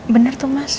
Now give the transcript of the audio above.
bener tuh mas